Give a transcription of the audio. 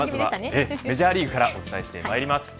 メジャーリーグからお伝えしてまいります。